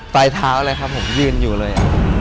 ปลายเท้าเลยครับผมยืนอยู่เลย